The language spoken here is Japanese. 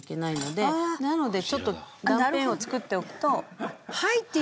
なのでちょっと断片を作っておくと。